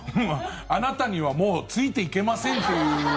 あなたにはもうついていけませんという。